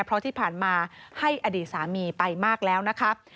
เพราะที่ผ่านมาให้อดีตสามีไปมากแล้วนะครับ